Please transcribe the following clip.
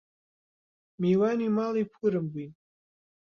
میوانی ماڵی پوورم بووین